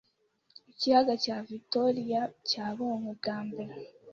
Ikiyaga cya Victoria cyabonywe bwa mbere